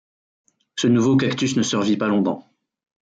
Ce nouveau Cactus ne survit pas longtemps.